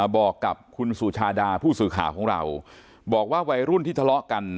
บอกกับคุณสุชาดาผู้สื่อข่าวของเราบอกว่าวัยรุ่นที่ทะเลาะกัน